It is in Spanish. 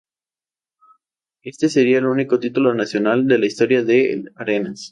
Este sería el único título nacional de la historia del Arenas.